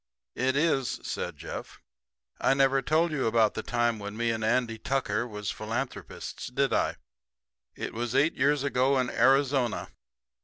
"It is," said Jeff. "I never told you about the time when me and Andy Tucker was philanthropists, did I? It was eight years ago in Arizona.